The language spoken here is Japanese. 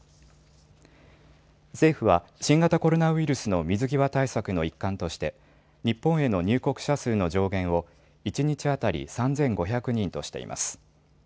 政府は新型コロナウイルスの水際対策の一環として日本への入国者数の上限を一日当たり３５００人としています。